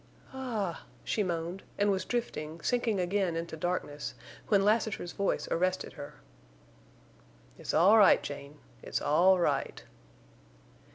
"Ah h!" she moaned, and was drifting, sinking again into darkness, when Lassiter's voice arrested her. "It's all right, Jane. It's all right."